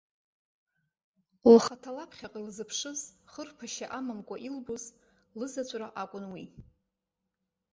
Лхаҭа лаԥхьаҟа илзыԥшыз, хырԥашьа амамкәа илбоз, лызаҵәра акәын уи.